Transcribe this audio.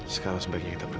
sekarang sebaiknya kita pergi